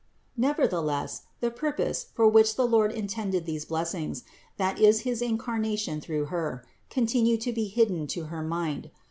Nevertheless, the purpose, for which the Lord intended these blessings, that is his Incarnation through Her, continued to be hidden to her mind.